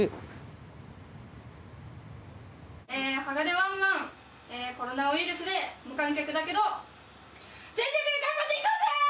ワンマンコロナウイルスで無観客だけど全力で頑張っていこうぜ！